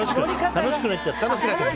楽しくなっちゃって。